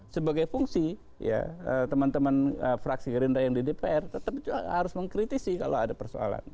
sebagai fungsi ya teman teman fraksi gerindra yang di dpr tetap juga harus mengkritisi kalau ada persoalan